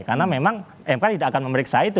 karena memang mk tidak akan memeriksa itu